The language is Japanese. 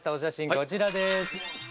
こちらです。